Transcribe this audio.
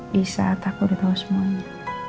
di saat aku udah tau semuanya